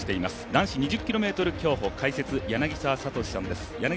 男子２０ｋｍ競歩、解説柳澤哲さんです。